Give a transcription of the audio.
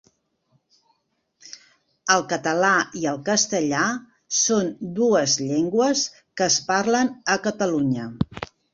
El català i el castellà són dues llengües que es parlen a Catalunya.